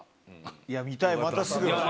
いや見たいまたすぐ。